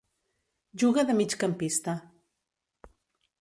Juga de Migcampista.